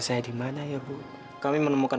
saya di mana ya bu kami menemukan